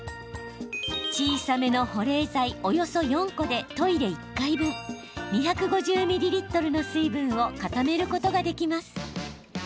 小さめの保冷剤およそ４個でトイレ１回分２５０ミリリットルの水分を固めることができます。